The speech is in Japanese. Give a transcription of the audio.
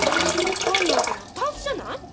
分かんないけどタンスじゃない？